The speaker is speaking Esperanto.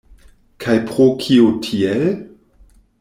Kaj pro kio tiel?